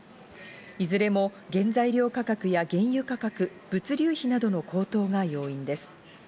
いずれも原材料価格や原油価格、物流費などの高騰が要因です。